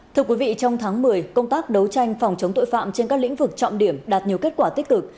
thưa quý vị trong tháng một mươi công tác đấu tranh phòng chống tội phạm trên các lĩnh vực trọng điểm đạt nhiều kết quả tích cực